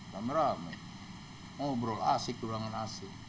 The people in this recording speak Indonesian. sama rakyat ngobrol asik dulangan asik